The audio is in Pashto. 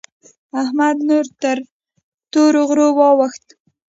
احمد نور تر تورو غرو واوښت.